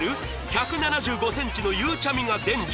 １７５センチのゆうちゃみが伝授！